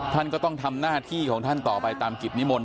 ท่านก็ต้องทำหน้าที่ของท่านต่อไปตามกิจนิมนต